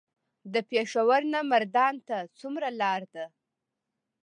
د پېښور نه مردان ته څومره لار ده؟